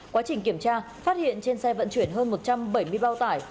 quá trình kiểm tra phát hiện trên xe vận chuyển hơn một trăm bảy mươi bao tải